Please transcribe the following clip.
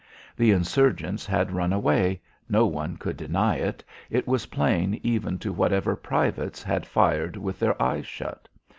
The insurgents had run away; no one could deny it; it was plain even to whatever privates had fired with their eyes shut.